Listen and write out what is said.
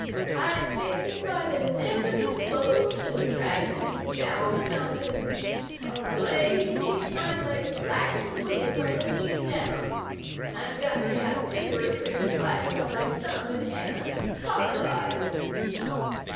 I takes him by the neck of his clothes and drags him down the mountain. On the way he kicks my legs black and blue from the knees down; and I've got to have two or three bites on my thumb and hand cauterized.